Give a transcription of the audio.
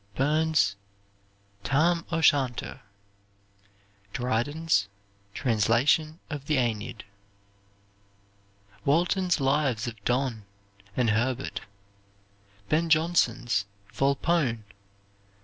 Burns's "Tam O'Shanter." Dryden's "Translation of the Aeneid." Walton's Lives of Donne, and Herbert. Ben Johnson's "Volpone."